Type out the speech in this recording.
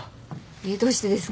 えっどうしてですか？